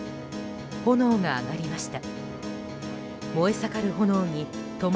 炎が上がりました。